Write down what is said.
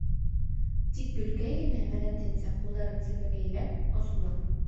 Тик Гөлкәй генә, ғәҙәтенсә, ҡулдарын сәбәкәйләп, осоноп: